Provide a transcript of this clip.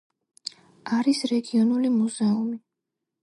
არის რეგიონული მუზეუმი.